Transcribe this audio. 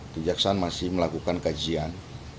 tujaksan masih melakukan kajian